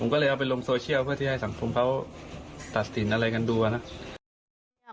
ก็เลยเอาไปลงโซเชียลเพื่อที่ให้สังคมเขาตัดสินอะไรกันดูนะครับ